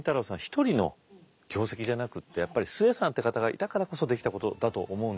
一人の業績じゃなくってやっぱり壽衛さんって方がいたからこそできたことだと思うんですよ。